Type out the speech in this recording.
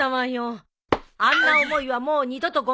あんな思いはもう二度とごめんだからね。